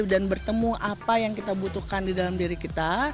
dan bertemu apa yang kita butuhkan di dalam diri kita